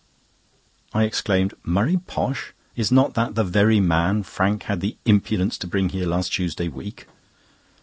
I exclaimed, "Murray Posh! Is not that the very man Frank had the impudence to bring here last Tuesday week?"